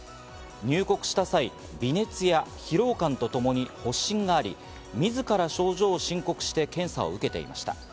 入国した際、微熱や疲労感とともに発疹があり、自ら症状を申告して検査を受けていました。